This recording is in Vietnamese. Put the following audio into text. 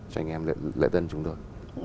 cho anh em lễ tân chúng tôi